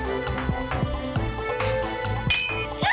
orang geht di luar bangknya